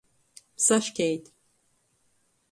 Saškeit.